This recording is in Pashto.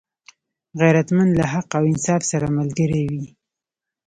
غیرتمند له حق او انصاف سره ملګری وي